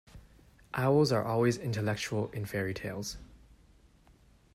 Owls are always intellectual in fairy-tales.